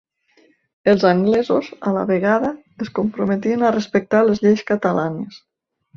Els anglesos, a la vegada, es comprometien a respectar les lleis catalanes.